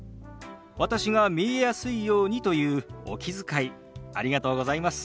私が見えやすいようにというお気遣いありがとうございます。